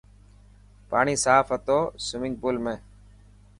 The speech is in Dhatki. پاڻي صاف هتو سومنگپول ۾.